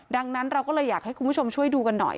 ดังนั้นเราก็เลยอยากให้คุณผู้ชมช่วยดูกันหน่อย